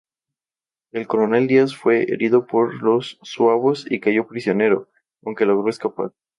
El coronel Díaz fue herido por los zuavos y cayó prisionero, aunque logró escapar.